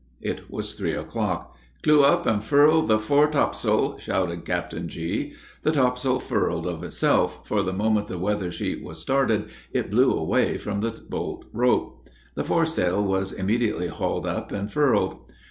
It was three o'clock. "Clew up and furl the fore topsail!" shouted Captain G. The topsail furled of itself, for the moment the weather sheet was started, it blew away from the bolt rope; the foresail was immediately hauled up and furled.